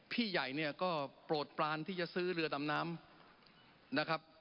พี่ใหญ่เนี่ยก็โปรดปลานที่จะซื้อเรือดำน้ำนะครับ